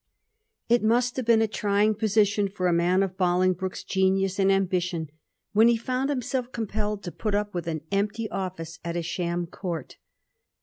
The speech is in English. It must have been a trying position for a man of Bolingbroke's genius and ambition when he found himself thus compelled to put up with an empty office at a sham court.